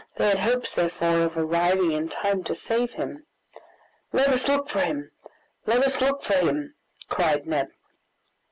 They had hopes therefore of arriving in time to save him. "Let us look for him! let us look for him!" cried Neb.